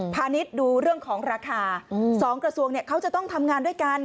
ณ์ดูเรื่องของราคา๒กระทรวงเขาจะต้องทำงานด้วยกัน